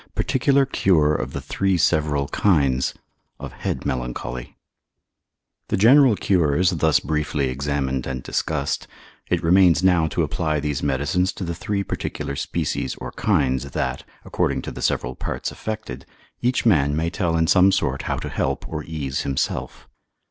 —Particular Cure of the three several Kinds; of Head Melancholy. The general cures thus briefly examined and discussed, it remains now to apply these medicines to the three particular species or kinds, that, according to the several parts affected, each man may tell in some sort how to help or ease himself.